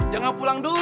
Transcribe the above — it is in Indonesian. jangan pulang dulu